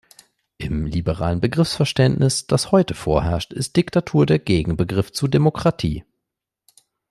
Im liberalen Begriffsverständnis, das heute vorherrscht, ist Diktatur der Gegenbegriff zu Demokratie.